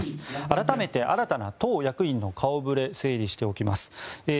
改めて新たな党役員の顔触れを整理しておきます。